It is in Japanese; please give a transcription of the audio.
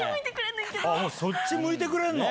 そっち向いてくれるの！